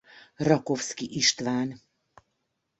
Rakovszky István.